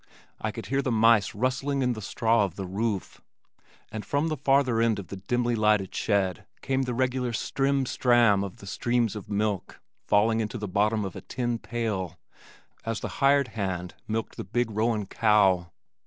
I could hear the mice rustling in the straw of the roof, and from the farther end of the dimly lighted shed came the regular strim stram of the streams of milk falling into the bottom of a tin pail as the hired hand milked the big roan cow.